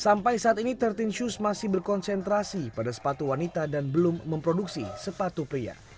sampai saat ini tiga belas shoes masih berkonsentrasi pada sepatu wanita dan belum memproduksi sepatu pria